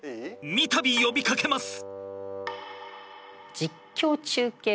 三たび呼びかけます。